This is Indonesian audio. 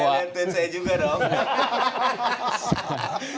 tweet saya juga dong